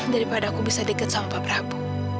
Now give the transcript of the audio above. daripada aku bisa dekat sama pak prabu